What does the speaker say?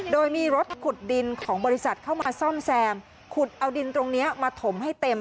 โดยมีรถขุดดินของบริษัทเข้ามาซ่อมแซมขุดเอาดินตรงนี้มาถมให้เต็ม